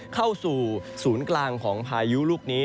เข้าสู่ศูนย์กลางของพายุลูกนี้